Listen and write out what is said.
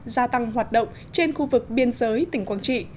gia tăng hoạt động trên khu vực biên giới tỉnh quảng trị